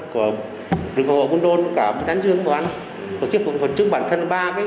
có rừng hồ quân đôn cả đánh rương của ăn có chiếc quần phần trước bản thân ba